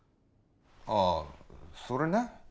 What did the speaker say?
ああそれね。